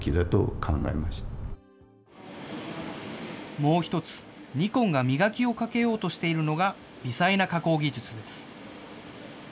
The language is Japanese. もう一つ、ニコンが磨きをかけようとしているのが、微細な加工技術です。